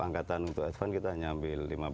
angkatan untuk advance kita hanya ambil lima belas